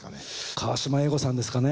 河島英五さんですかね。